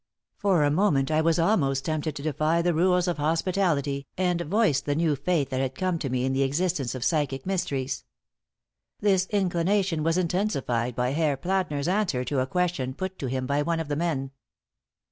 For a moment I was almost tempted to defy the rules of hospitality and voice the new faith that had come to me in the existence of psychic mysteries. This inclination was intensified by Herr Plätner's answer to a question put to him by one of the men.